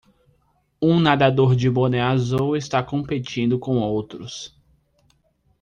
Um nadador de boné azul está competindo com outros.